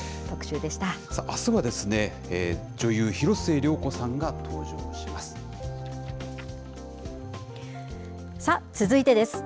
あすは、女優、広末涼子さん続いてです。